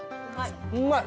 うまい？